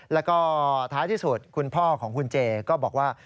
แล้วก็ท้ายที่สุดคุณพ่อของคุณเจก็บอกว่า